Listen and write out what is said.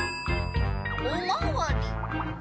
おまわり。